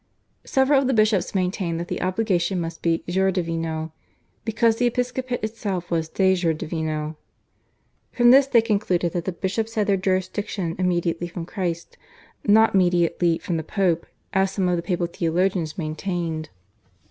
Several of the bishops maintained that the obligation must be /jure divino/, because the episcopate itself was /de jure divino/. From this they concluded that the bishops had their jurisdiction immediately from Christ, not mediately through the Pope as some of the papal theologians maintained.